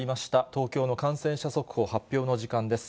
東京の感染者速報、発表の時間です。